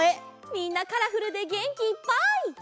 みんなカラフルでげんきいっぱい！